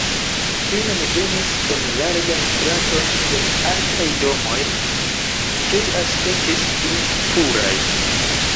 Fine ni venis en larĝan straton kun altaj domoj, kiuj aspektis pli puraj.